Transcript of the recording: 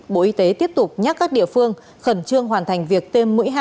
bộ y tế tiếp tục nhắc các địa phương khẩn trương hoàn thành việc tiêm mũi hai